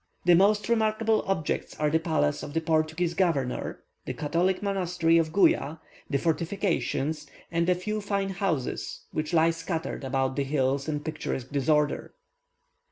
The most remarkable objects are the palace of the Portuguese governor, the Catholic monastery of Guia, the fortifications, and a few fine houses which lie scattered about the hills in picturesque disorder.